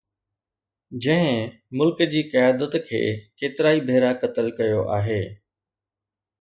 جنهن ملڪ جي قيادت کي ڪيترائي ڀيرا قتل ڪيو آهي